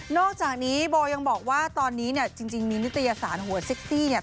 อกจากนี้โบยังบอกว่าตอนนี้เนี่ยจริงมีนิตยสารหัวเซ็กซี่เนี่ย